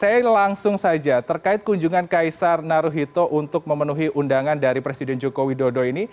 saya langsung saja terkait kunjungan kaisar naruhito untuk memenuhi undangan dari presiden joko widodo ini